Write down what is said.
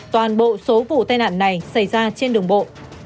toàn bộ số vụ tai nạn này xảy ra trên đường bộ